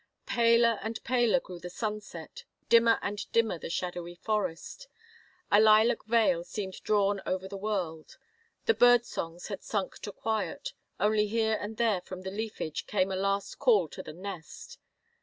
Paler and paler grew the sunset ; dimmer and dimmer the shadowy forest. A lilac veil seemed drawn over the world. The bird songs had sunk to quiet; only here and there from the leafage came a last call to the nest.